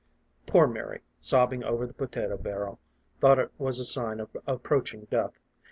Poor Mary, sobbing over the potato barrel, thought it was a sign of approaching death.